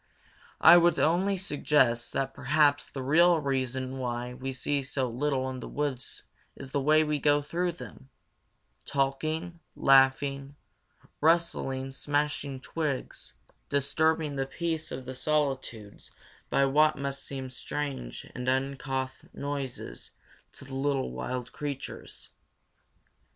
I would only suggest that perhaps the real reason why we see so little in the woods is the way we go through them talking, laughing, rustling, smashing twigs, disturbing the peace of the solitudes by what must seem strange and uncouth noises to the little wild creatures.